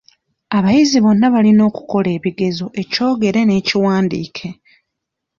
Abayizi bonna balina okukola ekigezo ekyogere n'ekiwandiike.